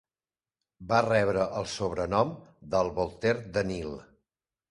Va rebre el sobrenom de "El Voltaire de Nil".